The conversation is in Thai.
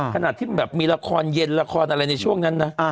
ขนาดที่มีราคอย่างเร็นราคอร์นอะไรในช่วงนั้น